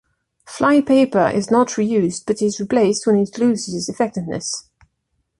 Flypaper is not reused, but is replaced when it loses effectiveness.